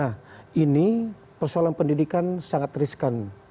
nah ini persoalan pendidikan sangat riskan